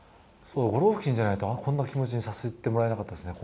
ゴロフキンじゃないとこんな気持ちにさせてもらえなかったですね。